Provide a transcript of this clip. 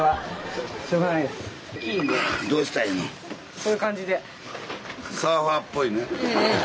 そういう感じで。